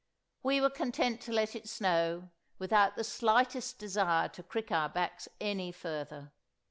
We were content to let it snow, without the slightest desire to crick our backs any further.